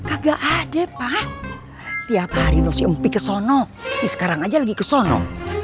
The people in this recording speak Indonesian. ada pak tiap hari nusyumpi ke sana sekarang aja lagi ke sana